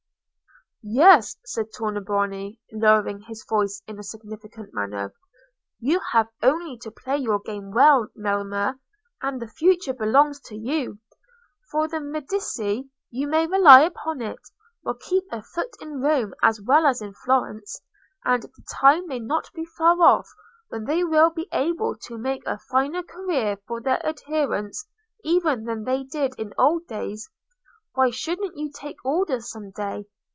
"Yes," said Tornabuoni, lowering his voice in a significant manner, "you have only to play your game well, Melema, and the future belongs to you. For the Medici, you may rely upon it, will keep a foot in Rome as well as in Florence, and the time may not be far off when they will be able to make a finer career for their adherents even than they did in old days. Why shouldn't you take orders some day?